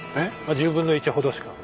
１０分の１ほどしか。